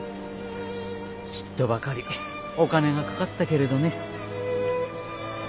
ちっとばかりお金がかかったけれどね。